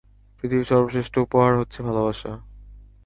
পৃথিবীর সর্বশ্রেষ্ঠ উপহার হচ্ছে ভালবাসা।